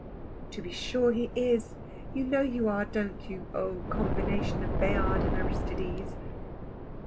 "To be sure he is. You know you are, don't you, oh combination of Bayard and Aristides?"